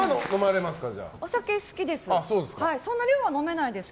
お酒、好きです。